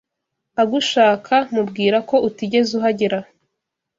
agushaka mubwira ko utigeze uhagera